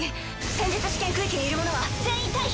戦術試験区域にいる者は全員退避！